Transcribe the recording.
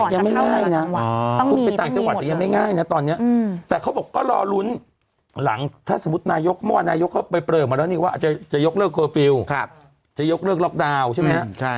ยังไม่ง่ายนะคุณไปต่างจังหวัดแต่ยังไม่ง่ายนะตอนนี้แต่เขาบอกก็รอลุ้นหลังถ้าสมมุตินายกเมื่อวานนายกเขาไปเปลออกมาแล้วนี่ว่าจะยกเลิกเคอร์ฟิลล์จะยกเลิกล็อกดาวน์ใช่ไหมฮะ